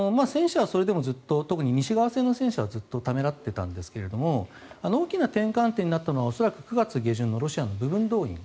あと、戦車はそれでもずっと特に西側製の戦車はずっとためらっていたんですが大きな転換となったのは去年９月のロシアの部分動員。